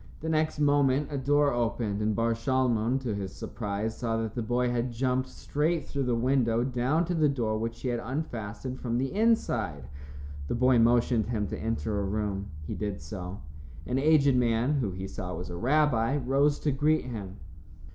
The next moment a door opened, and Bar Shalmon, to his surprise, saw that the boy had jumped straight through the window down to the door which he had unfastened from the inside. The boy motioned him to enter a room. He did so. An aged man, who he saw was a rabbi, rose to greet him.